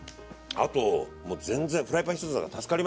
あともう全然フライパン１つだから助かりますね。